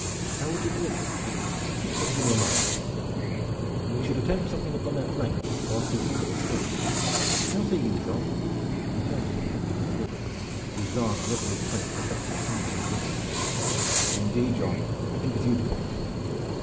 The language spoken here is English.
"How would you order it, John? Speak what is in your mind." "We should attempt something upon their flank whilst we hold them in front. How say you, Jean?" He turned to the Captal de Buch, whose dark, resolute face reflected the same misgivings. "Indeed, John, I think as you do," said he.